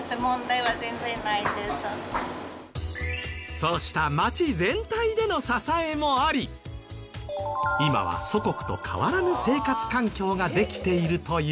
そうした町全体での支えもあり今は祖国と変わらぬ生活環境ができているという。